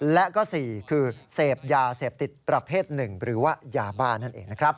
และก็๔คือเสพยาเสพติดประเภท๑หรือว่ายาบ้านนั่นเองนะครับ